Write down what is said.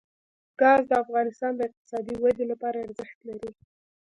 ګاز د افغانستان د اقتصادي ودې لپاره ارزښت لري.